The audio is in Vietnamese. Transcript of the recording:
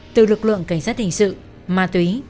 từ lực lượng cảnh sát hình sự ma túy